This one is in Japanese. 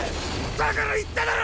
だから言っただろ！